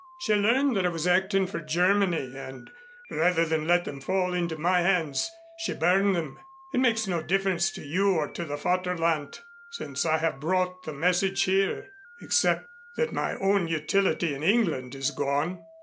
She learned that I was acting for Germany and, rather than let them fall into my hands, she burned them. It makes no difference to you or to the Vaterland, since I have brought the message here, except that my own utility in England is gone."